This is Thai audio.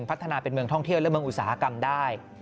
พัฒนาเป็นเมืองท่องเที่ยวและเมืองอุตสาหกรรมได้